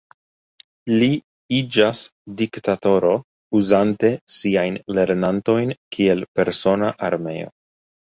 Li iĝas diktatoro uzante siajn lernantojn kiel persona armeo.